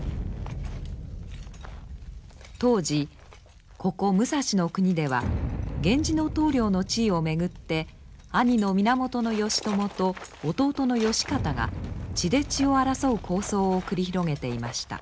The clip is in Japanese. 当時ここ武蔵国では源氏の棟梁の地位を巡って兄の源義朝と弟の義賢が血で血を争う抗争を繰り広げていました。